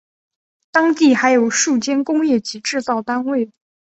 当地还有数间工业及制造单位。